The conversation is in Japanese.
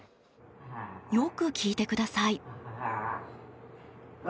よく聞いてください。